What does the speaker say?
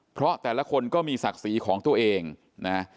เพราะแต่ละคนก็มีศักดิ์ศรีของตัวเองนะ